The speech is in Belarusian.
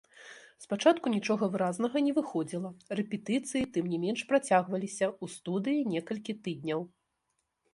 Спачатку нічога выразнага не выходзіла, рэпетыцыі тым не менш працягваліся ў студыі некалькі тыдняў.